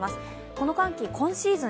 この寒気、今シーズン